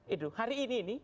itu hari ini